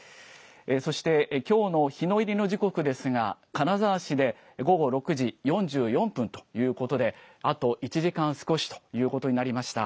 そしてきょうの日の入りの時刻ですが金沢市で午後６時４４分ということで、あと１時間少しということになりました。